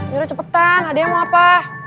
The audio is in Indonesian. nyuruh cepetan ada yang mau apa